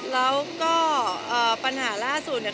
แล้วก็ปัญหาล่าสุดเนี่ย